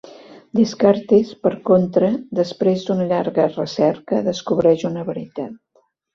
Descartes, per contra, després d'una llarga recerca, descobreix una veritat.